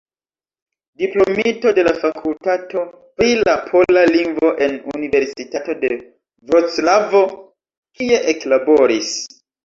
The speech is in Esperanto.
Diplomito de la fakultato pri la pola lingvo en Universitato de Vroclavo, kie eklaboris.